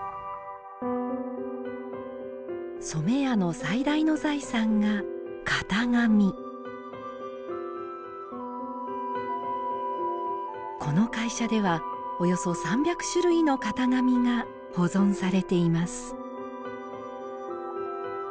染屋の最大の財産が型紙この会社ではおよそ３００種類の型紙が保存されています